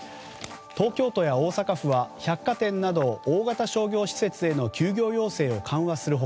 東京都や大阪府は百貨店など大型商業施設への休業要請を緩和する他